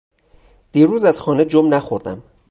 دیروز از خانه جم نخوردم.